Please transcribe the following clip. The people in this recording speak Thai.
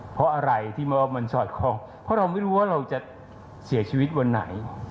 เพราะอะไรที่ว่ามันสอดคล้องเพราะเราไม่รู้ว่าเราจะเสียชีวิตวันไหน